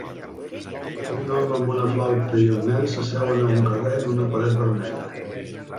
Un home amb una flauta i un nen s'asseuen a un carrer en una paret vermella.